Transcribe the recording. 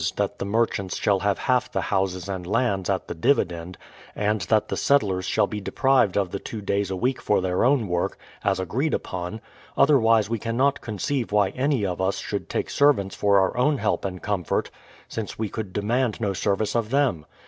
that the merchants shall have half the houses and lands at the dividend; and that the settlers shall be deprived of the two days a week for their own work, as agreed upon, — otherwise we canncBt conceive why any of us should take servants for our own help and comfort, since we could demand no service of them.